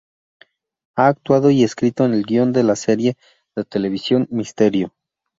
Ha actuado y escrito el guion de la serie de televisión "Misterio".